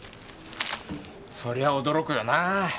そりゃ驚くよなぁ。